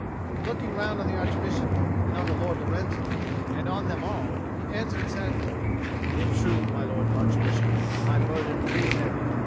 And looking round on the Archbishop, and on the Lord Lorenzo, and on them all, he answered sadly, "In truth, my Lord Archbishop, my burden is heavy.